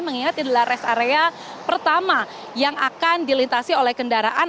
mengingat ini adalah rest area pertama yang akan dilintasi oleh kendaraan